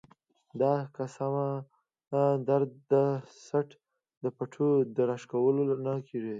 دا قسمه درد د څټ د پټو د راښکلو نه کيږي